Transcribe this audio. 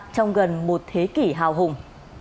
trong gần một thế kỷ hào hùng